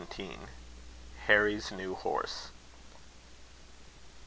HARRY'S NEW HORSE.